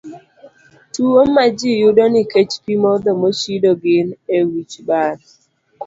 Tuwo ma ji yudo nikech pi modho mochido gin: A. wich bar